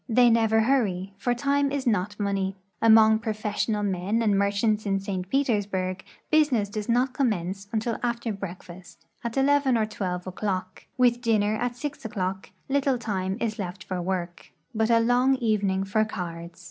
They never hurry, for time is not money. Among professional men and merchants in St. Petersburg business does not com mence until after breakfast, at 11 or 12 o'clock; with dinner at 6 o'clock, little time is left for work, but a long evening for cards.